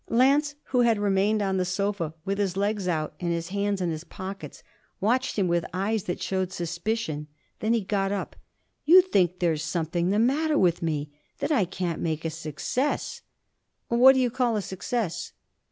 Lance, who had remained on the sofa with his legs out and his hands in his pockets, watched him with eyes that showed suspicion. Then he got up. 'You think there's something the matter with me that I can't make a success.' 'Well, what do you call a success?'